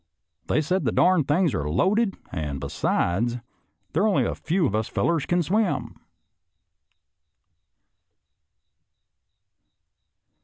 They say the darned things are loaded, and, besides, there's only a few of us fellers can swim."